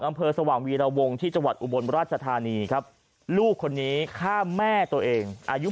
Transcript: อำเภอสว่างวีรวงที่จังหวัดอุบลราชธานีครับลูกคนนี้ฆ่าแม่ตัวเองอายุ